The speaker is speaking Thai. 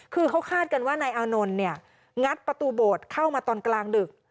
คือเขาคาดกันว่านายอานนท์เนี่ยงัดประตูโบสถ์เข้ามาตอนกลางดึก